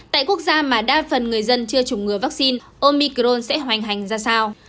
tại quốc gia mà đa phần người dân chưa chủng ngừa vaccine omicron sẽ hoành hành ra sao